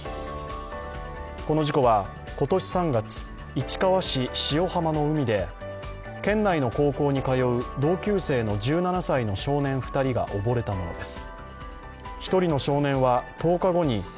この事故は今年３月、市川市塩浜の海で県内の高校に通う同級生の１７歳の少年２人が溺れたものです。